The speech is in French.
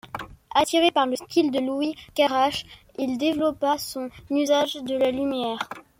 Attiré par le style de Louis Carrache, il développa son usage de la lumière.